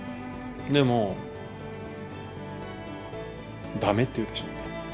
でも、だめって言うでしょうね。